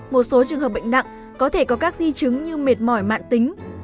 một số trường hợp bệnh nặng có thể có các di chứng như mệt mỏi mạng tính